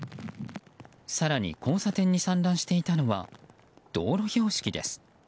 更に、交差点に散乱していたのは道路標識です。